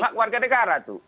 hak warga negara itu